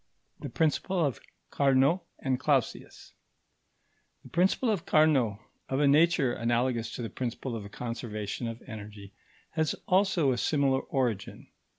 § 3. THE PRINCIPLE OF CARNOT AND CLAUSIUS The principle of Carnot, of a nature analogous to the principle of the conservation of energy, has also a similar origin.